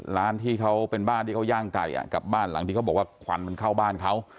ร้านที่เขาเป็นบ้านที่เขาย่างไก่กับบ้านหลังที่เขาบอกว่าควันมันเข้าบ้านเขา